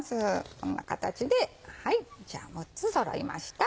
こんな形で６つそろいました。